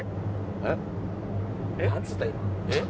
えっ？